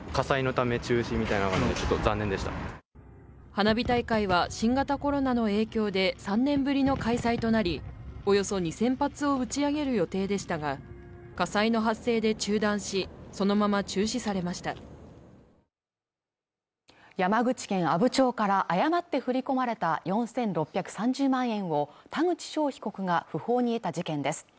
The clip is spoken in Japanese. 花火大会は新型コロナの影響で３年ぶりの開催となりおよそ２０００発を打ち上げる予定でしたが火災の発生で中断しそのまま中止されました山口県阿武町から誤って振り込まれた４６３０万円を田口翔被告が不法に得た事件です